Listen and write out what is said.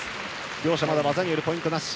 両者、まだ技によるポイントなし。